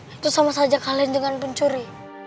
itu sama saja kalian dengan pencuri